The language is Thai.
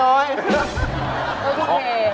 โอเค